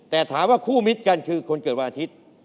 แต่ถามว่าคู่มิตรกันคือคนเกิดวันอาทิตย์